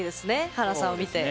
華さんを見て。